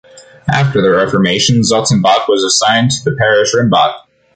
After the reformation, Zotzenbach was assigned to the parish, Rimbach.